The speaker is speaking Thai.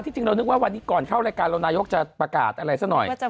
จริงเรานึกว่าวันนี้ก่อนเข้ารายการเรานายกจะประกาศอะไรสักหน่อย